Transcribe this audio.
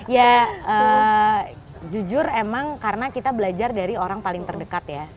ya jujur emang karena kita belajar dari orang paling terdekat ya